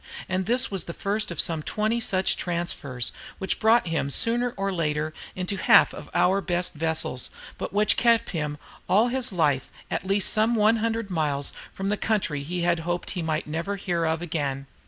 And this was the first of some twenty such transfers, which brought him sooner or later into half our best vessels, but which kept him all his life at least some hundred miles from the country he had hoped he might never hear of again.